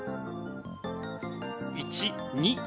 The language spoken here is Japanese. １２